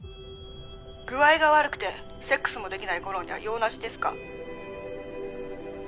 「具合が悪くてセックスもできない吾良には用なしですか？」